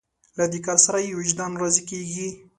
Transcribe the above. له دې کار سره یې وجدان راضي کېږي.